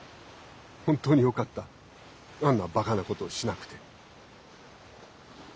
本当によかったあんなバカなことをしなくて。